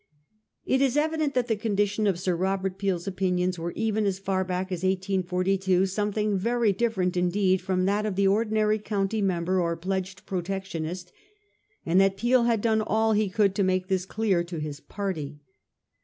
It is evident that the condition of Sir Robert Peel's opinions was even as far back as 1842 something very different indeed from that of the ordinary county member or pledged Protectionist, and that Peel had done all he could to make this clear to his party.